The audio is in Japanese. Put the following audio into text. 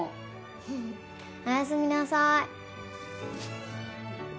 フフッおやすみなさい。